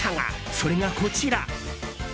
それが、こちら！